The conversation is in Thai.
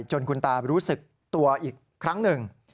จนคุณตารู้สึกตัวอีกครั้งหนึ่ง